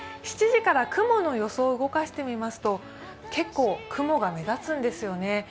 ７時から雲の予想を動かしてみますと、結構雲が目立つんですよね。